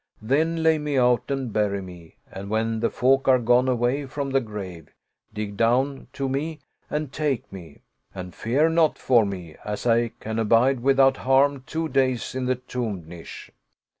Then lay me out and bury me ; and, when the folk are gone away from the grave, dig down to me and take me; and fear not for me, as I can abide without harm two days in the tomb niche."